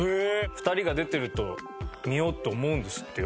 ２人が出てると見ようって思うんですってよ